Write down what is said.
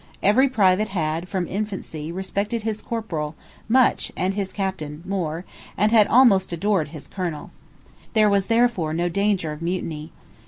Every private had, from infancy, respected his corporal much and his Captain more, and had almost adored his Colonel. There was therefore no danger of mutiny.